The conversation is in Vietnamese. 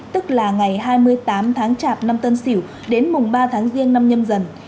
tức là ngày hai mươi tám tháng chạp năm tân xỉu đến mùng ba tháng riêng năm nhâm dần